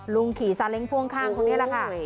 ขี่ซาเล้งพ่วงข้างคนนี้แหละค่ะ